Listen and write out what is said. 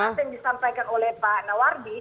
saya ingin mengucapkan yang disampaikan oleh pak nawardi